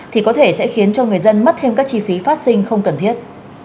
thì có thể sẽ khiến cho người dân mất thêm các chi phí phát sinh không cần thiết